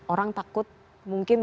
orang takut mungkin